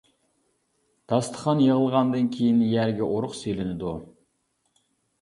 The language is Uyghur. داستىخان يىغىلغاندىن كېيىن يەرگە ئۇرۇق سېلىنىدۇ.